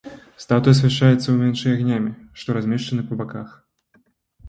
Статуя асвятляецца ўначы агнямі, што размешчаны па баках.